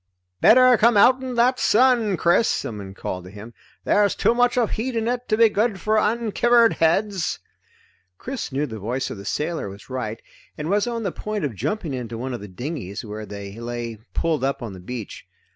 "Better come outen that sun, Chris!" someone called to him. "There's too much of heat in it to be good for unkivered heads!" Chris knew the voice of the sailor was right, and was on the point of jumping into one of the dinghies, where they lay pulled up on the beach.